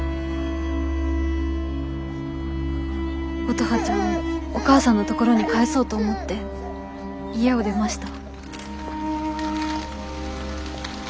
乙葉ちゃんをお母さんのところに返そうと思って家を出ました。